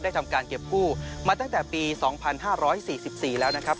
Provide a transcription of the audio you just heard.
ทำการเก็บกู้มาตั้งแต่ปี๒๕๔๔แล้วนะครับ